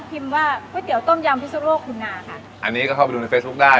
ว่าก๋วยเตี๋ยต้มยำพิสุโลกคุณนาค่ะอันนี้ก็เข้าไปดูในเฟซบุ๊คได้